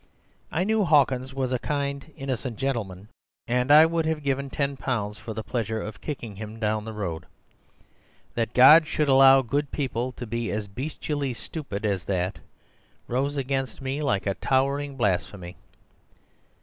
I knew Hawkins was a kind, innocent gentleman; and I would have given ten pounds for the pleasure of kicking him down the road. That God should allow good people to be as bestially stupid as that— rose against me like a towering blasphemy.